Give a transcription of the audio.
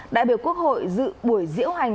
đại biểu quốc hội dự buổi diễu hành